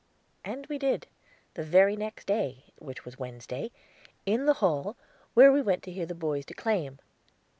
And we did, the very next day, which was Wednesday, in the hall, where we went to hear the boys declaim.